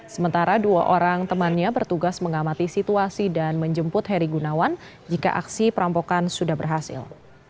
sementara dua orang temannya bertugas mengamati situasi dan menjemput heri gunawan jika aksi perampokan sudah berhasil